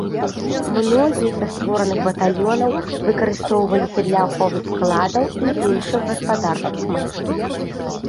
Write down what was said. Многія са створаных батальёнаў выкарыстоўваліся для аховы складаў, іншых гаспадарчых мэт.